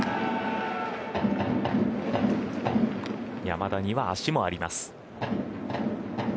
山田には足もあります。